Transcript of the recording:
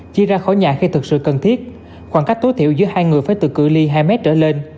chia ra khỏi nhà khi thực sự cần thiết khoảng cách tối thiểu giữa hai người phải từ cửa ly hai mét trở lên